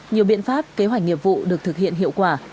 nhiều biện pháp kế hoạch nghiệp vụ được thực hiện hiệu quả